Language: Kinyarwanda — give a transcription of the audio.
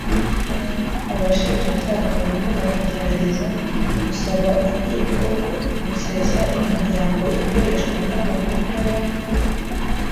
abashinjacyaha barimo baragerageza gusaba inkiko gusesa imiryango ikoreshwa n Abahamya ba